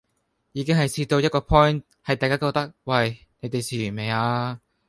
已經係試到一個 point 係大家覺得喂，你地試完未啊